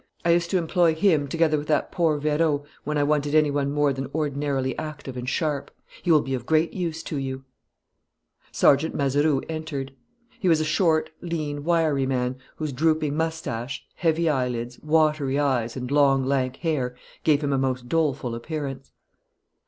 I used to employ him together with that poor Vérot when I wanted any one more than ordinarily active and sharp. He will be of great use to you." Sergeant Mazeroux entered. He was a short, lean, wiry man, whose drooping moustache, heavy eyelids, watery eyes and long, lank hair gave him a most doleful appearance.